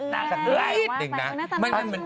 นางเอ้ยนางเอ้ย